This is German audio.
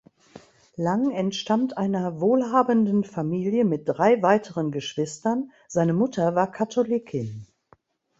Lang entstammt einer wohlhabenden Familie mit drei weiteren Geschwistern, seine Mutter war Katholikin.